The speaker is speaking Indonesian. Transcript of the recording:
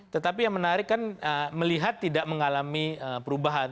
tetapi yang menarik kan melihat tidak mengalami perubahan